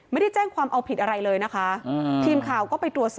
ไม่ได้แจ้งความเอาผิดอะไรเลยนะคะ